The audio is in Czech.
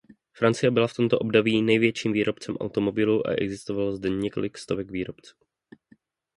Francie byla v tomto období největším výrobcem automobilů a existovalo zde několik stovek výrobců.